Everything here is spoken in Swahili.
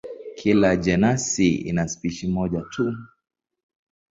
Kila jenasi ina spishi moja tu.